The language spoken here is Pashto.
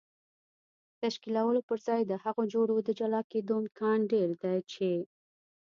تشکیلولو پر ځای د هغو جوړو د جلا کېدو امکان ډېر دی چې